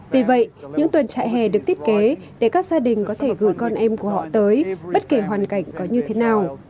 vì vậy những tuần trại hè được thiết kế để các gia đình có thể gửi con em của họ tới bất kể hoàn cảnh có như thế nào